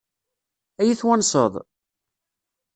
Ad iyi-twanseḍ?